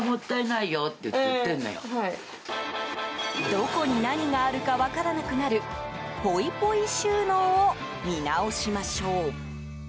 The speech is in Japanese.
どこに何があるか分からなくなるポイポイ収納を見直しましょう。